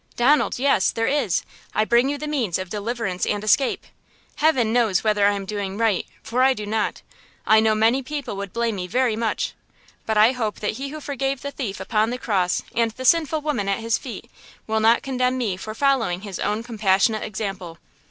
"Donald, yes! There is! I bring you the means of deliverance and escape. Heaven knows whether I am doing right–for I do not! I know many people would blame me very much, but I hope that He who forgave the thief upon the cross and the sinful woman at his feet, will not condemn me for following His own compassionate example!